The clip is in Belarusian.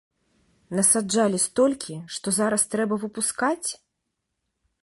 Насаджалі столькі, што зараз трэба выпускаць?